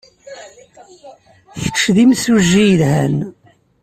Kečč d imsujji yelhan.